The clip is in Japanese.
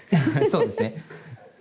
そうですね。